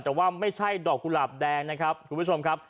แต่ว่าไม่ใช่ดอกกุหลาบแดงนะครับคุณผู้ชมครับ